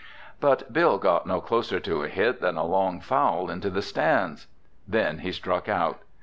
But Bill got no closer to a hit than a long foul into the stands. Then he struck out.